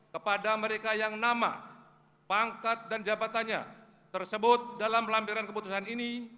kepada mereka yang nama pangkat dan jabatannya tersebut dalam lampiran keputusan ini